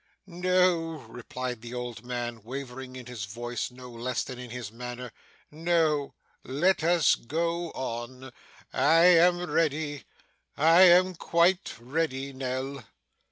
'No,' replied the old man, wavering in his voice, no less than in his manner. 'No. Let us go on. I am ready. I am quite ready, Nell.